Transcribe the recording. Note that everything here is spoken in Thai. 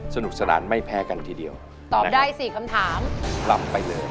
สนุกสนานไม่แพ้กันทีเดียวตอบได้สี่คำถามรับไปเลย